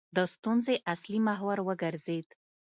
د ستونزې اصلي محور وګرځېد.